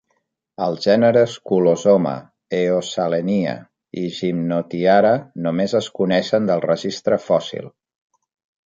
Els gèneres "Culozoma", "Eosalenia" i "Gymnotiara" només es coneixen del registre fòssil.